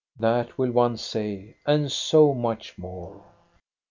That will one say and so much, much more.